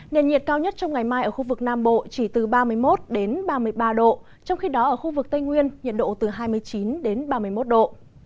nền nhiệt cao nhất trong ngày mai ở khu vực nam bộ chỉ từ ba mươi một ba mươi ba độ trong khi đó ở khu vực tây nguyên nhiệt độ từ hai mươi chín đến ba mươi một độ